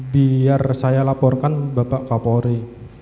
biar saya laporkan bapak kapolri